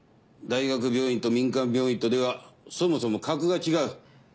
大学病院と民間病院とではそもそも格が違う。